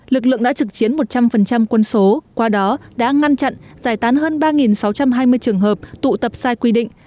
lực lượng đã trực chiến một trăm linh quân số qua đó đã ngăn chặn giải tán hơn ba sáu trăm hai mươi trường hợp tụ tập sai quy định